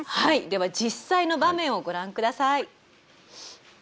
では実際の場面をご覧ください。